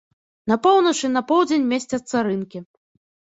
На поўнач і на поўдзень месцяцца рынкі.